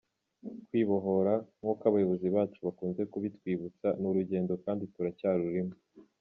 Kwibohora, nk’uko abayobozi bacu bakunze kubitwibutsa, ni urugendo kandi turacyarurimo.